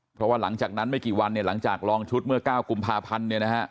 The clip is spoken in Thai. เพราะว่าหลังจากนั้นไม่กี่วันเนี่ยหลังจากลองชุดเมื่อ๙กุมภาพันธ์เนี่ยนะฮะ